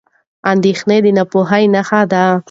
اندېښنه د ناپوهۍ نښه ده.